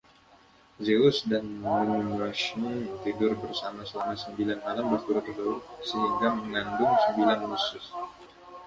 Zeus dan Mnemosyne tidur bersama selama sembilan malam berturut-turut, sehingga mengandung sembilan Muses.